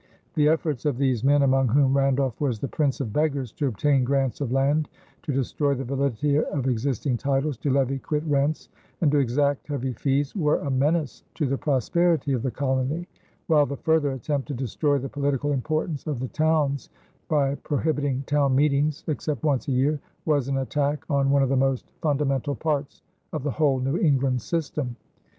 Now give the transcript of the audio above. The efforts of these men, among whom Randolph was the prince of beggars, to obtain grants of land, to destroy the validity of existing titles, to levy quit rents, and to exact heavy fees, were a menace to the prosperity of the colony; while the further attempt to destroy the political importance of the towns by prohibiting town meetings, except once a year, was an attack on one of the most fundamental parts of the whole New England system.